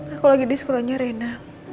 aku lagi di sekolahnya rena